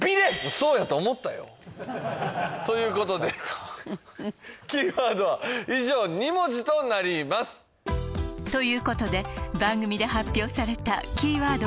そうやと思ったよまさかということでキーワードは以上２文字となりますということで番組で発表されたキーワード